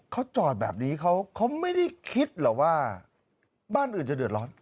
เขาจอดแบบนี้เขาไม่ได้คิดเหรอว่าบ้านอื่นจะเดือดร้อน